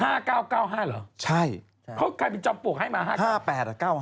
๕๙๙๕เหรอใช่เขาใครเป็นจอมปลวกให้มา